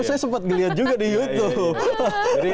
saya sempat ngeliat juga di youtube